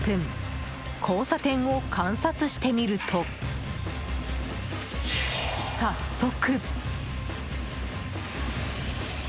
交差点を観察してみると早速。